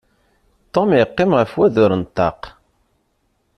Tom yeqqim ɣef wadur n ṭṭaq.